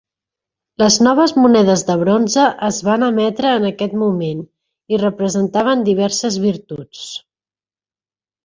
Les noves monedes de bronze es van emetre en aquest moment i representaven diverses virtuts.